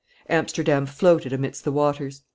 Amsterdam floated amidst the waters.